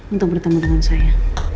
untuk bertemu dengan saya